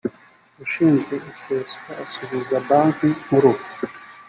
ushinzwe iseswa asubiza banki nkuru